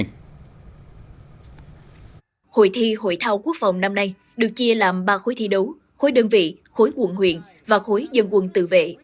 hội thi hội thao quốc phòng năm nay được chia làm ba khối thi đấu khối đơn vị khối quận huyện và khối dân quân tự vệ